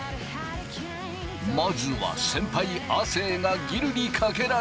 まずは先輩亜生がギルにかけられる。